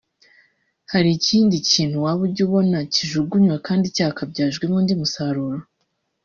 hari ikindi kintu waba ujya ubona kijugunywa kandi cyakabyajwemo undi umusaruro